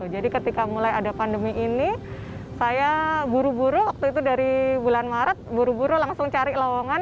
jadi ketika mulai ada pandemi ini saya buru buru waktu itu dari bulan maret buru buru langsung cari lawangan